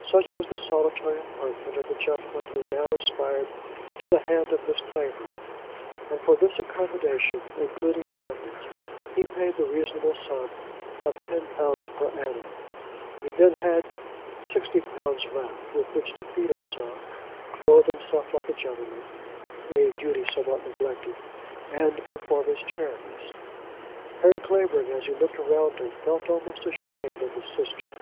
Such was the solitary apartment of the gentleman who now aspired to the hand of Miss Clavering; and for this accommodation, including attendance, he paid the reasonable sum of £10 per annum. He then had £60 left, with which to feed himself, clothe himself like a gentleman, a duty somewhat neglected, and perform his charities! Harry Clavering, as he looked around him, felt almost ashamed of his sister.